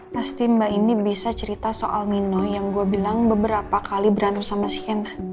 pasti mbak ini bisa cerita soal nino yang gue bilang beberapa kali berantem sama si kena